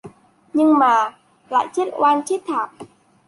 Nhưng mà lại chết oan chết thảm